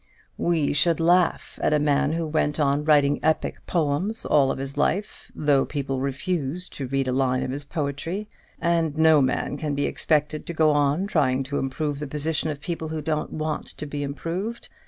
"We should laugh at a man who went on writing epic poems all his life, though people refused to read a line of his poetry; and no man can be expected to go on trying to improve the position of people who don't want to be improved.